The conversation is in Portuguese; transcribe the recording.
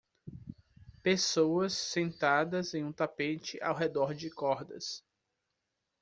Pessoas sentadas em um tapete ao redor de cordas.